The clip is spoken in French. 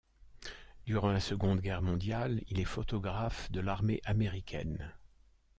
Durant la Seconde Guerre mondiale, il est photographe de l'armée américaine.